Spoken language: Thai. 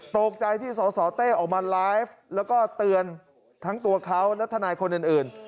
ตกใจที่สสเต้ออกมาไลฟ์แล้วก็เตือนทั้งตัวเขาและทนายคนอื่น